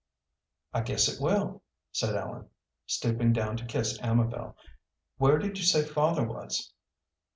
"I guess it will," said Ellen, stooping down to kiss Amabel. "Where did you say father was?"